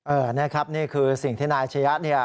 เอ่อนี่ครับนี่คือสิ่งที่นายอาชญะเนี้ย